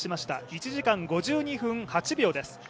１時間５２分８秒です。